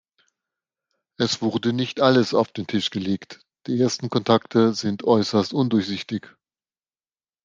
Es wurde nicht alles auf den Tisch gelegt, die ersten Kontakte sind äußerst undurchsichtig.